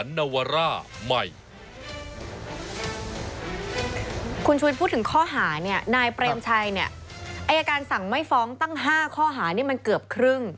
คุณชุวิตพูดถึงข้อหาเนี่ยนายเปรมชัยเนี่ยอายการสั่งไม่ฟ้องตั้ง๕ข้อหานี่มันเกือบครึ่ง